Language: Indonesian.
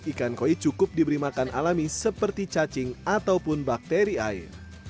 ikan koi cukup diberi makan alami seperti cacing ataupun bakteri air